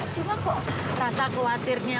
cuma kok rasa khawatirnya